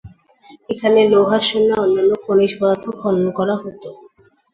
এখানে লোহা, সোনা ও অন্যান্য খনিজ পদার্থ খনন করা হতো।